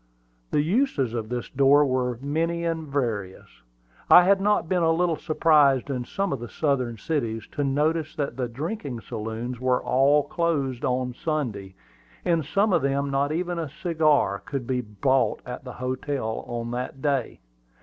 The uses of this door were many and various. I had been not a little surprised in some of the Southern cities to notice that the drinking saloons were all closed on Sunday. In some of them not even a cigar could be bought at the hotel on that day.